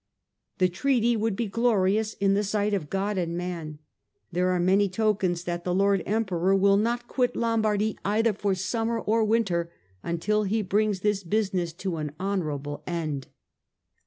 The treaty would be glorious in the sight of God and man. ... There are many tokens that the Lord Emperor will not quit Lombardy either for summer or winter until he brings this business to an honourable end."